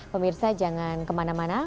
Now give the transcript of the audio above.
pemirsa jangan kemana mana